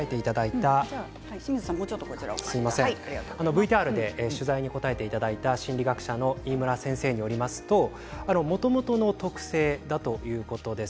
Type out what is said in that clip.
ＶＴＲで取材に応えていただいた心理学者の飯村先生によりますともともとの特性だということです。